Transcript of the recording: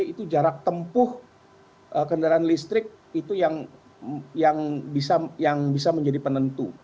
itu jarak tempuh kendaraan listrik itu yang bisa menjadi penentu